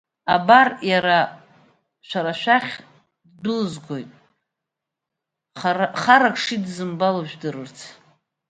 Абар, Иара шәара шәахь ддәылызгоит харак шидзымбало жәдырырц.